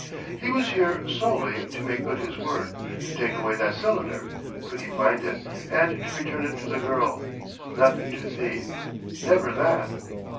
He was here solely to make good his word, to take away that cylinder, could he find it, and to return it to the girl ... not to thieve.... Never that!...